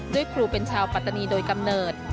ครูเป็นชาวปัตตานีโดยกำเนิด